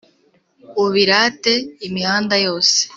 ubirate imihanda yose